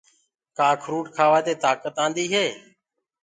ڪآ اکروُٽ ڪآوآ دي تآڪت آندي هي۔